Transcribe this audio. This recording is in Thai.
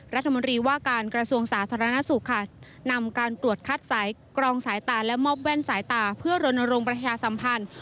รัฐมนตรีว่าการกระทรวงสาธารณสุขค่ะนำการตรวจคัดสายกรองสายตาและมอบแว่นสายตาเพื่อรณรงค์ประชาสัมพันธ์